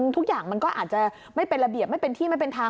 ทุกอย่างมันก็อาจจะไม่เป็นระเบียบไม่เป็นที่ไม่เป็นทาง